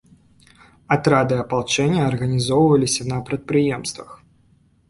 Атрады апалчэння арганізоўваліся на прадпрыемствах.